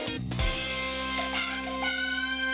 เหมือนกันอย่างน้อยเหมือนกันอย่างน้อย